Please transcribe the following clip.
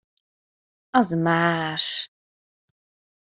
Az más.